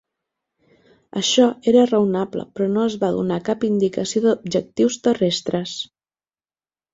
Això era raonable, però no es va donar cap indicació d'objectius terrestres.